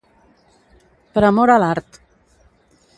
Per amor a l'art.